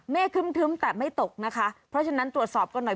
ครึ้มแต่ไม่ตกนะคะเพราะฉะนั้นตรวจสอบกันหน่อย